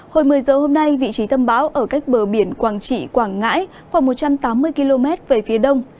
hồi một mươi giờ hôm nay vị trí tâm bão ở cách bờ biển quảng trị quảng ngãi khoảng một trăm tám mươi km về phía đông